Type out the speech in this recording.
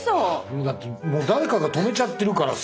もうだって誰かが止めちゃってるからさ。